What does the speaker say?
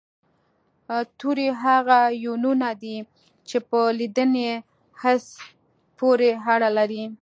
توري هغه يوونونه دي چې په لیدني حس پورې اړه لري